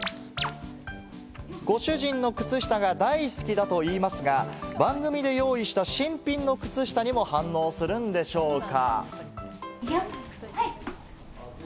ご主人の靴下が大好きだと言いますが、番組で用意した新品の靴下にも反応するんでしょうか？